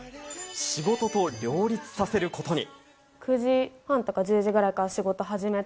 仕事と両立させることに。